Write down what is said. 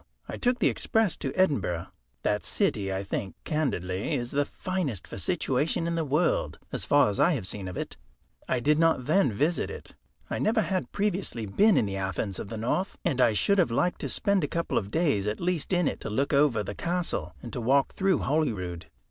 I took the express to Edinburgh. That city, I think candidly, is the finest for situation in the world, as far as I have seen of it. I did not then visit it. I never had previously been in the Athens of the North, and I should have liked to spend a couple of days at least in it, to look over the castle and to walk through Holyrood.